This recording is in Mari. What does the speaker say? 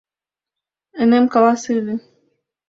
Ынем каласе ыле...